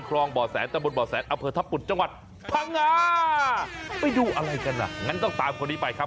ก็ตามคนนี้ไปครับ